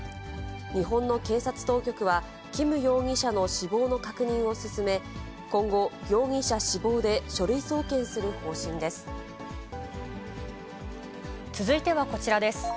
日本の警察当局は、キム容疑者の死亡の確認を進め、今後、容疑者死亡で書類送検する続いてはこちらです。